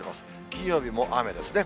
金曜日も雨ですね。